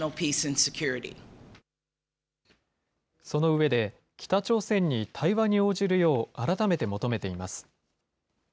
その上で、北朝鮮に対話に応じるよう改めて求めています。